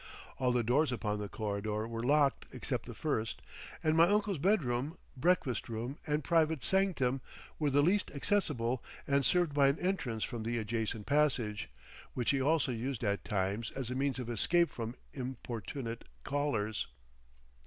All the doors upon the corridor were locked except the first; and my uncle's bedroom, breakfast room and private sanctum were the least accessible and served by an entrance from the adjacent passage, which he also used at times as a means of escape from importunate callers.